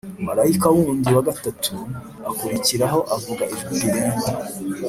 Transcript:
Marayika wundi wa gatatu akurikiraho avuga ijwi rirenga